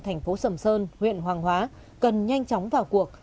thành phố sầm sơn huyện hoàng hóa cần nhanh chóng vào cuộc